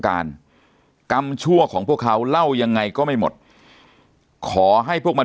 กรรมชั่วของพวกเขาเล่ายังไงก็ไม่หมดขอให้พวกมัน